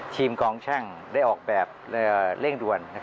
กองช่างได้ออกแบบเร่งด่วน